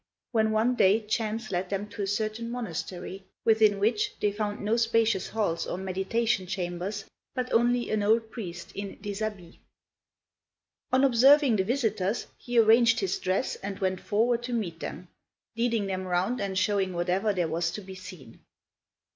when one day chance led them to a certain monastery, within which they found no spacious halls or meditation chambers, but only an old priest in deshabille. On observing the visitors, he arranged his dress and went forward to meet them, leading them round and showing whatever there was to be seen.